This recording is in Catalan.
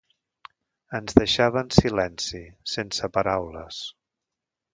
Ens deixava en silenci, sense paraules.